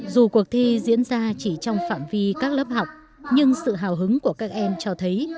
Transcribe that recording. dù cuộc thi diễn ra chỉ trong phạm vi các lớp học nhưng sự hào hứng của các em cho thấy